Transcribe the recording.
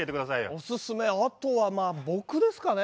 おすすめあとはまあ僕ですかね。